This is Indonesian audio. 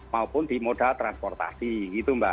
maupun di modal transportasi gitu mbak